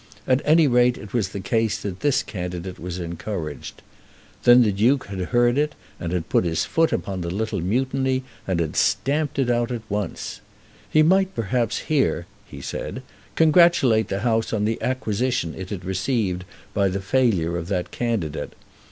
At any rate it was the case that this candidate was encouraged. Then the Duke had heard it, and had put his foot upon the little mutiny, and had stamped it out at once. He might perhaps here," he said, "congratulate the House on the acquisition it had received by the failure of that candidate.